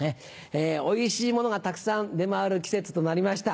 おいしいものがたくさん出回る季節となりました。